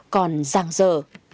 còn ràng rờ